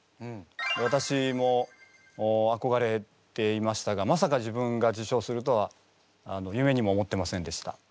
わたしもあこがれていましたがまさか自分が受賞するとは夢にも思ってませんでした。